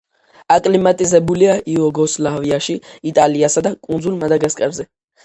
აკლიმატიზებულია იუგოსლავიაში, იტალიასა და კუნძულ მადაგასკარზე.